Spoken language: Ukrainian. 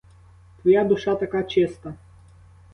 Твоя душа така чиста.